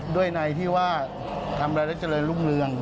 ด้วยในที่ว่าทำอะไรได้เจริญรุ่งเรือง